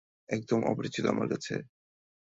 একদম অপরিচিত আমার কাছে।